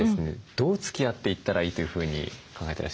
どうつきあっていったらいいというふうに考えてらっしゃいますか？